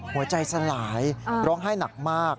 หัวใจสลายร้องไห้หนักมาก